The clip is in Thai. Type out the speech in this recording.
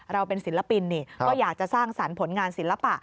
เราเป็นศิลปินนี่ก็อยากจะสร้างสรรค์ผลงานศิลปะ